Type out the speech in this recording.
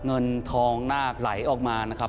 เงินทองนาคไหลออกมานะครับ